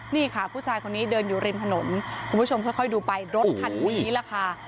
นี่ค่ะผู้ชายคนนี้เดินอยู่ริมถนนคุณผู้ชมค่อยดูไปรถคันนี้แหละค่ะ